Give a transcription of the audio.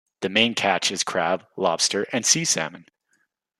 The main catch is crab, lobster and sea salmon.